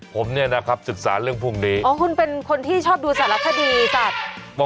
ผมเนี่ยนะครับศึกษาเรื่องพวกนี้อ๋อคุณเป็นคนที่ชอบดูสารคดีสัตว์